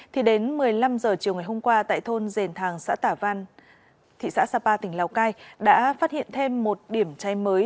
thì đến một mươi năm h chiều ngày hôm qua tại thôn dền thàng xã tả văn thị xã sapa tỉnh lào cai đã phát hiện thêm một điểm cháy mới